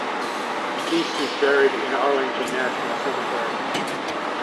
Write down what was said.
East is buried in Arlington National Cemetery.